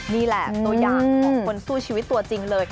นี่แหละตัวอย่างของคนสู้ชีวิตตัวจริงเลย